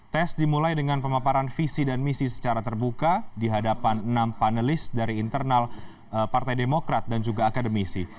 tes dimulai dengan pemaparan visi dan misi secara terbuka di hadapan enam panelis dari internal partai demokrat dan juga akademisi